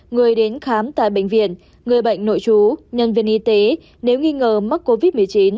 người đến khám tại bệnh viện người bệnh nội chú nhân viên y tế nếu nghi ngờ mắc covid một mươi chín